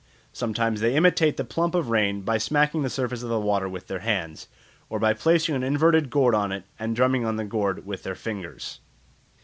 Sometimes they imitate the plump of rain by smacking the surface of the water with their hands, or by placing an inverted gourd on it and drumming on the gourd with their fingers.